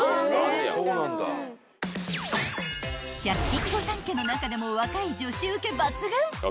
［１００均御三家の中でも若い女子ウケ抜群］